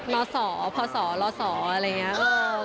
มาสอพอสอรอสออะไรอย่างนี้